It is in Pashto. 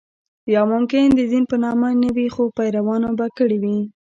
یا ممکن د دین په نامه نه وي خو پیروانو به کړې وي.